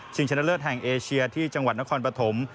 ชนะเลิศแห่งเอเชียที่จังหวัดนครปฐม